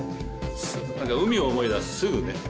なんか海を思い出す、すぐね。